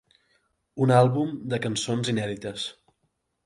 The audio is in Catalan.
Un àlbum de cançons inèdites.